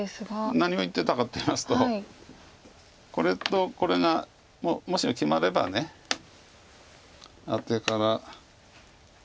何を言ってたかといいますとこれとこれがもしも決まればアテから。